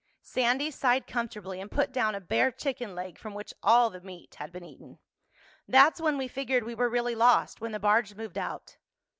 Sandy sighed comfortably and put down a bare chicken leg from which all the meat had been eaten. "That's when we figured we were really lost—when the barge moved out."